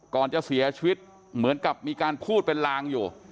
ก่อนจะเสียชีวิตเหมือนกับมีการพูดเป็นลางอยู่